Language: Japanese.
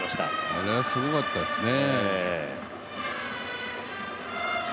あれはすごかったですね。